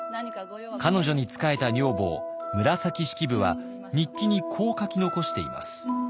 彼女に仕えた女房紫式部は日記にこう書き残しています。